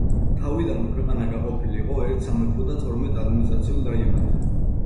თავიდანვე ქვეყანა გაყოფილი იყო ერთ სამეფო და თორმეტ ადმინისტრაციულ რაიონად.